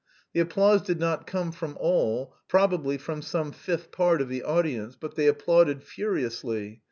The applause did not come from all probably from some fifth part of the audience but they applauded furiously.